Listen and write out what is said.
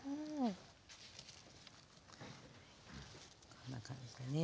こんな感じでね。